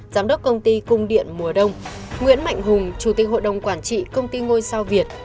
giám đốc công ty cung điện mùa đông nguyễn mạnh hùng chủ tịch hội đồng quản trị công ty ngôi sao việt